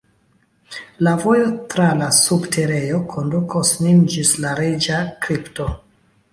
La vojo tra la subterejo kondukos nin ĝis la reĝa kripto.